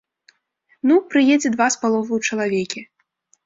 Ну, прыедзе два з паловаю чалавекі.